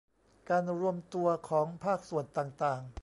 การรวมตัวของภาคส่วนต่างต่าง